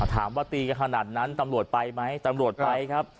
ถามว่าตีกันขนาดนั้นตำรวจไปไหมตำรวจไปครับ